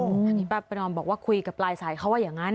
อันนี้ป้าประนอมบอกว่าคุยกับปลายสายเขาว่าอย่างนั้น